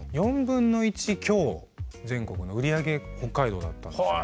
1/4強全国の売り上げ北海道だったんですよね。